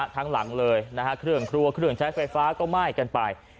ทั้งหลังเลยนะฮะเครื่องครัวเครื่องใช้ไฟฟ้าก็ไหม้กันไป